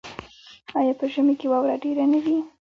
آیا په ژمي کې واوره ډیره نه وي؟